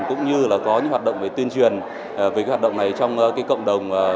cũng như là có những hạt động về tuyên truyền về cái hạt động này trong cộng đồng